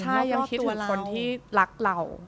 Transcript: ใช่ยังคิดถึงคนที่รักเรา